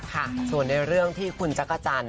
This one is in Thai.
ค่ะส่วนในเรื่องที่คุณจักรจันท